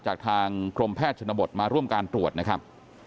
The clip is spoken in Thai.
จากทางกรมแพทย์ชนบทมาร่วมการตรวจนะครับ